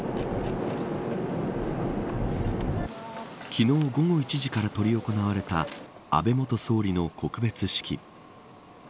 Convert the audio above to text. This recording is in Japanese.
昨日、午後１時から執り行われた安倍元総理の告別式。